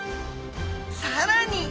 さらに！